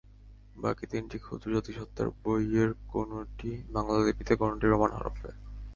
বাকি তিনটি ক্ষুদ্র জাতিসত্তার বইয়ের কোনোটি বাংলা লিপিতে, কোনোটি রোমান হরফে।